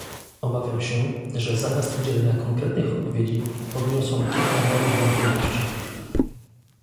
Obawiam się, że zamiast udzielenia konkretnych odpowiedzi podniosłam kilka nowych wątpliwości